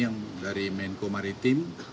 yang dari menko maritim